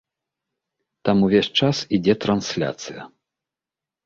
Там увесь час ідзе трансляцыя.